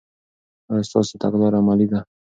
آیا ستاسو تګلاره عملي ده؟